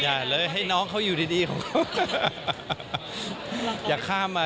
ยาเลยให้น้องเขาอยู่ดีของเขา